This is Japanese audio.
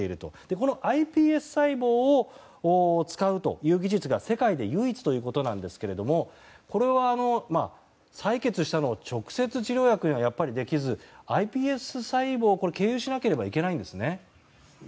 このｉＰＳ細胞を使う技術が世界で唯一ということですがこれは採血したのを直接、治療薬にはやっぱり、できずｉＰＳ細胞を経由しなければいけないんですね。